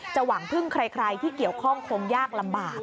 หวังพึ่งใครที่เกี่ยวข้องคงยากลำบาก